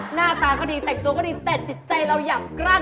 หน้าตาเขาดีแต่จิตใจเราหย่ามกล้าง